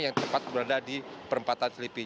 yang tempat berada di perempatan slippy